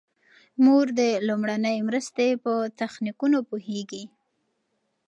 مور د لومړنۍ مرستې په تخنیکونو پوهیږي.